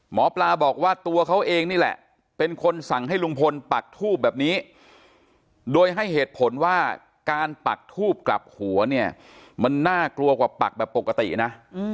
หมอปลาบอกว่าตัวเขาเองนี่แหละเป็นคนสั่งให้ลุงพลปักทูบแบบนี้โดยให้เหตุผลว่าการปักทูบกลับหัวเนี่ยมันน่ากลัวกว่าปักแบบปกตินะ